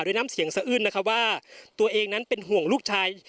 น้ำเสียงสะอื้นนะคะว่าตัวเองนั้นเป็นห่วงลูกชาย